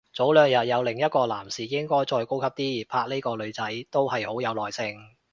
早兩日有另一個男士應該再高級啲拍呢個女仔，都係好有耐性